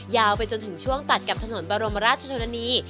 ไปจนถึงช่วงตัดกับถนนบรมราชชนนี